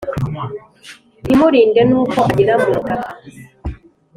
ntimurinde n'uko agera mu butaka,